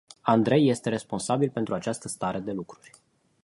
Andrei este responsabil pentru această stare de lucruri.